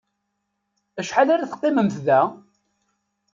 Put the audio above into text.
Acḥal ara teqqimemt da?